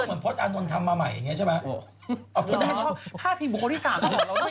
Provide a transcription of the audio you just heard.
ก็เหมือนพจรอดอคุณอาทมนตร์ทำมาใหม่นี้ใช่ไหมโอ้เหรอถ้าเพียงบุคคลที่สาม